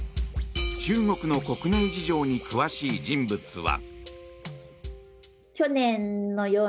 中国の国内事情に詳しい人物は。